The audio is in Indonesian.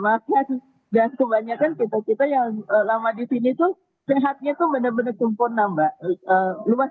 makan dan kebanyakan kita kita yang lama di sini tuh sehatnya tuh bener bener sempurna mbak luas